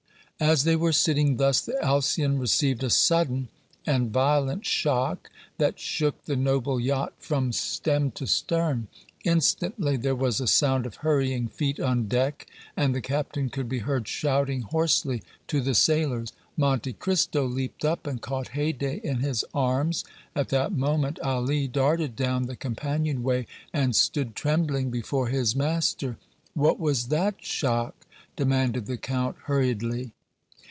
As they were sitting thus, the Alcyon received a sudden and violent shock that shook the noble yacht from stem to stern. Instantly there was a sound of hurrying feet on deck, and the captain could be heard shouting hoarsely to the sailors. Monte Cristo leaped up and caught Haydée in his arms. At that moment Ali darted down the companion way and stood trembling before his master. "What was that shock?" demanded the Count, hurriedly.